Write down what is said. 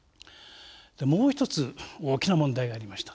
もう一つ大きな問題がありました。